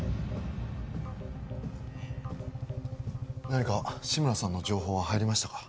何か志村さんの情報は入りましたか？